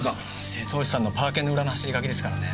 瀬戸内さんのパー券の裏の走り書きですからね。